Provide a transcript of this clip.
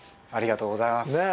ありがとうございます。